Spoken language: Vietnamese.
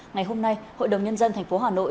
ngày hôm nay hội đồng nhân dân tp hà nội